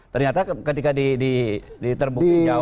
ternyata ketika diterbukin jauh